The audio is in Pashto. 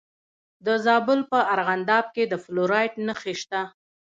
د زابل په ارغنداب کې د فلورایټ نښې شته.